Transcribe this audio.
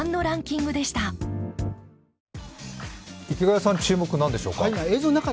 池谷さん、注目は何だったでしょうか。